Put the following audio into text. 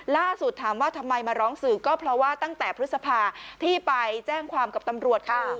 ล่าสุดถามว่าทำไมมาร้องสื่อก็เพราะว่าตั้งแต่พฤษภาที่ไปแจ้งความกับตำรวจค่ะ